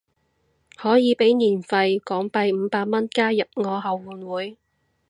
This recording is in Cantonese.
可以俾年費港幣五百蚊加入我後援會